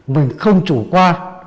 mình không chủ qua